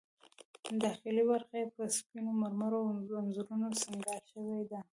داخلي برخه یې په سپینو مرمرو او انځورونو سینګار شوې ده.